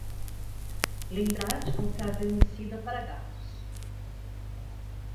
Lembrar de comprar vermicida para gatos